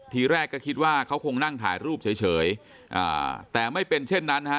ทีแรกก็คิดว่าเขาคงนั่งถ่ายรูปเฉยอ่าแต่ไม่เป็นเช่นนั้นนะฮะ